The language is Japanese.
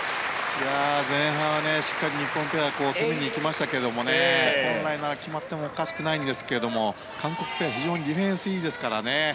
前半はしっかり日本ペア攻めに行きましたけど本来なら決まってもおかしくないんですけども韓国ペア、非常にディフェンスがいいですからね。